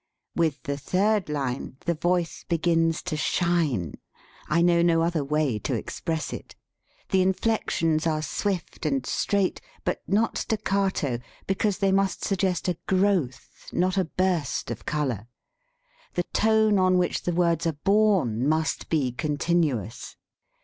With the third line the voice be gins to shine. I know no other way to express it. The inflections are swift and straight, but not staccato, because they must 78 STUDY IN TONE COLOR suggest a growth, not a burst of color. The tone on which the words are borne must be continuous.